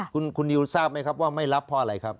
คุณนิวทราบไหมครับว่าไม่รับเพราะอะไรครับ